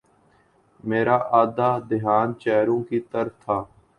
میرا آدھا دھیان چہروں کی طرف تھا۔